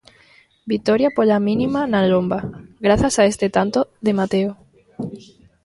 Vitoria pola mínima na Lomba, grazas a este tanto de Mateo.